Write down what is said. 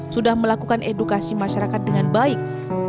sudah melakukan edukasi masyarakat dengan baik